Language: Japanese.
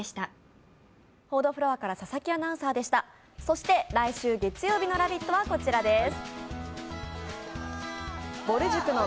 そして来週月曜日の「ラヴィット！」はこちらです。